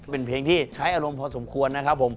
เป็นเพลงที่ใช้อารมณ์พอสมควรนะครับผม